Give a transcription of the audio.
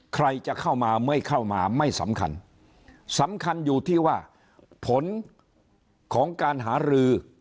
ใครจะเข้ามาไม่เข้ามาไม่สำคัญสำคัญอยู่ที่ว่าผลของการหารือ